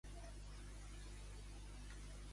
On n'amollen, n'entomen.